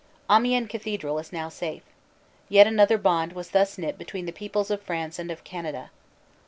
Amiens cathedral is now safe. Yet another bond was thus knit between the peoples of France and of Canada.